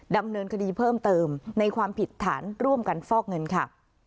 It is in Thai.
ดำเนินคดีเพิ่มเติมในความผิดฐานร่วมกันฟอกเงินค่ะ